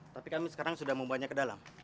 tapi kami sekarang sudah membawanya ke dalam